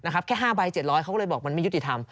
แค่๕ใบ๗๐๐เขาก็เลยบอกมันไม่ยุติธรรม